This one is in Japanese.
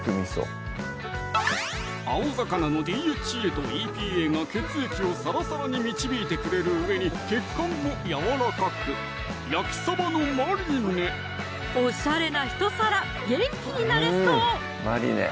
青魚のＤＨＡとＥＰＡが血液をサラサラに導いてくれるうえに血管もやわらかくおしゃれなひと皿元気になれそう！